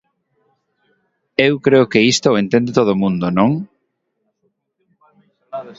Eu creo que isto o entende todo o mundo, ¿non?